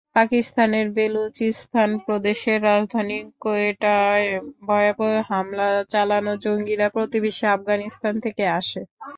পাকিস্তানের বেলুচিস্তান প্রদেশের রাজধানী কোয়েটায় ভয়াবহ হামলা চালানো জঙ্গিরা প্রতিবেশী আফগানিস্তান থেকে আসে।